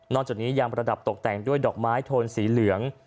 จากนี้ยังประดับตกแต่งด้วยดอกไม้โทนสีเหลือง